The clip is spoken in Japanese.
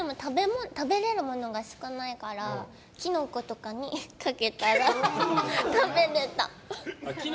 食べれるものが少ないからキノコとかにかけたら食べれた。